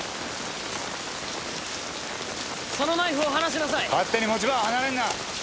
「そのナイフを離しなさい」「勝手に持ち場を離れるな！」